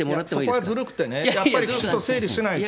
そこはずるくてね、やっぱりきちっと整理しないと。